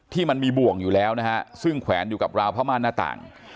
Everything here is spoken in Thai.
มันมีบ่วงอยู่แล้วนะฮะซึ่งแขวนอยู่กับราวผ้าม่านหน้าต่าง